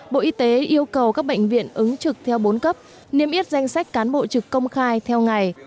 bộ y tế yêu cầu các bệnh viện ứng trực theo bốn cấp niêm yết danh sách cán bộ trực công khai theo ngày